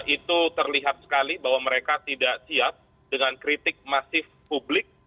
itu terlihat sekali bahwa mereka tidak siap dengan kritik masif publik